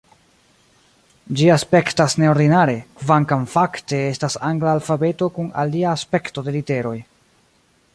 Ĝi aspektas neordinare, kvankam fakte estas angla alfabeto kun alia aspekto de literoj.